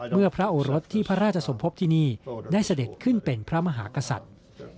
พระโอรสที่พระราชสมภพที่นี่ได้เสด็จขึ้นเป็นพระมหากษัตริย์